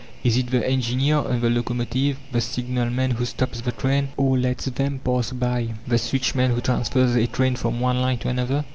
Is it the engineer on the locomotive? The signalman who stops the trains, or lets them pass by? The switchman who transfers a train from one line to another?